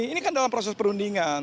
ini kan dalam proses perundingan